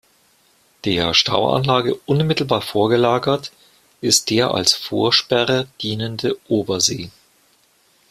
Der Stauanlage unmittelbar vorgelagert ist der als Vorsperre dienende Obersee.